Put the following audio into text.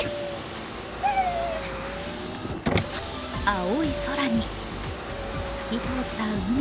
青い空に透き通った海。